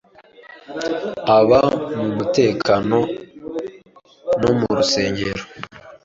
haba mu mategeko no, mu rusengero